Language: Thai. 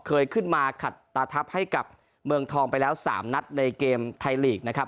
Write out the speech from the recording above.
เคยขึ้นมาขัดตาทัพให้กับเมืองทองไปแล้ว๓นัดในเกมไทยลีกนะครับ